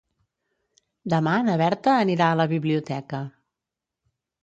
Demà na Berta anirà a la biblioteca.